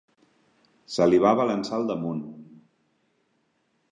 Se li va abalançar al damunt.